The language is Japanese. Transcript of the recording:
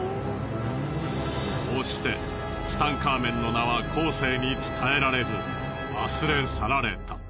こうしてツタンカーメンの名は後世に伝えられず忘れ去られた。